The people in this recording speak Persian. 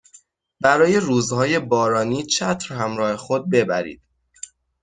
برای روزهای بارانی چتر همراه خود ببرید